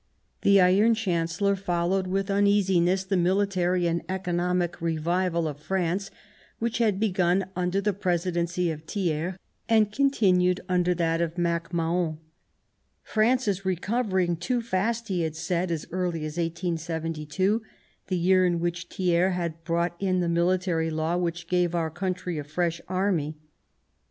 The Iron Chancellor followed with un easiness the military and economic revival of France, which had begun under the Presidency of Thiers and continued under that of MacMahon, " France is recovering too fast," he had said as early as 1872, the year in which Thiers had brought in the military law which gave our country a fresh army.